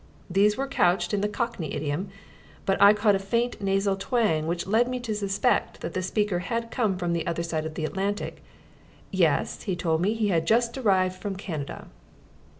These were couched in the cockney idiom, but I caught a faint nasal twang which led me to suspect that the speaker had come from the other side of the Atlantic. Yes he told me he had just arrived from Canada.